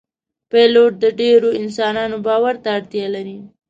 پیلوټ د ډیرو انسانانو باور ته اړتیا لري.